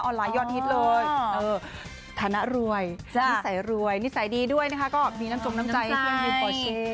ออนไลน์ยอดฮิตเลยฐานะรวยนิสัยรวยนิสัยดีด้วยนะคะก็มีน้ำจงน้ำใจให้ปอเช่